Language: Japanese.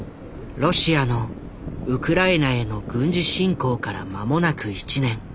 ロシアのウクライナへの軍事侵攻から間もなく１年。